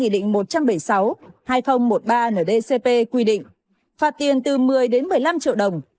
điều tám mươi ba nghị định một trăm bảy mươi sáu hai nghìn một mươi ba ndcp quy định phạt tiền từ một mươi một mươi năm triệu đồng